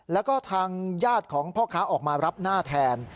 แล้วก็ทางญาติของพ่อค้าออกมารับหน้าแทน